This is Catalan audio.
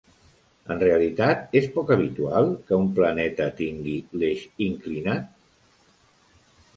En realitat, és poc habitual que un planeta tingui l'eix inclinat?